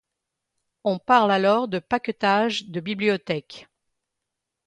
On parle alors de paquetage de bibliothèques.